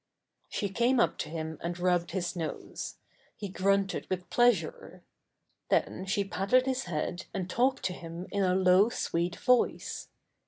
She came up to him and rubbed his nose. He grunted with pleasure. Then she patted his head and talked to him in a low, sweet voice.